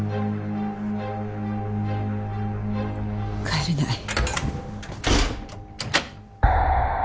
帰れない。